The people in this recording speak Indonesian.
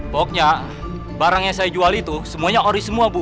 pokoknya barang yang saya jual itu semuanya oris semua bu